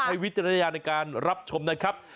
ใช้วิทยาลัยในการรับชมนะครับ